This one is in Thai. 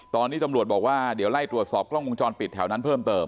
ตอนนี้ตำรวจบอกว่าเดี๋ยวไล่ตรวจสอบกล้องวงจรปิดแถวนั้นเพิ่มเติม